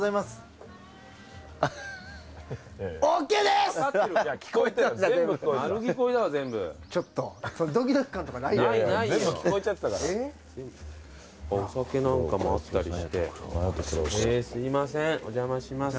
すいませんお邪魔します。